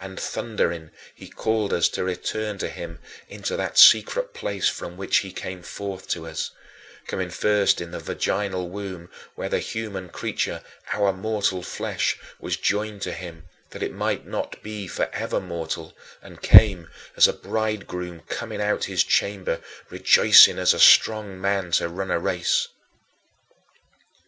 And, thundering, he called us to return to him into that secret place from which he came forth to us coming first into the virginal womb, where the human creature, our mortal flesh, was joined to him that it might not be forever mortal and came "as a bridegroom coming out his chamber, rejoicing as a strong man to run a race."